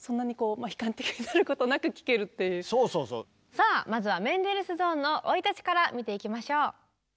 さあまずはメンデルスゾーンの生い立ちから見ていきましょう。